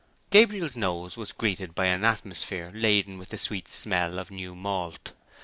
Gabriel's nose was greeted by an atmosphere laden with the sweet smell of new malt.